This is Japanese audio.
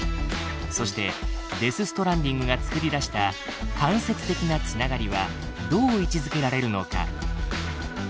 そして「デス・ストランディング」がつくり出した「間接的な繋がり」はどう位置づけられるのか。